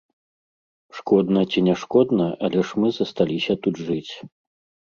Шкодна ці не шкодна, але ж мы засталіся тут жыць.